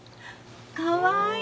かわいい！